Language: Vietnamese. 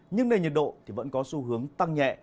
nhưng nền nhiệt độ thì vẫn có xu hướng tăng nhẹ